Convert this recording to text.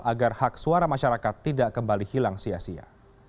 agar hak suara masyarakat tidak kembali hilang sia sia